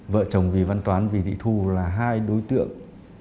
vợ chồng vị văn toán vị thị thu là hai đối tượng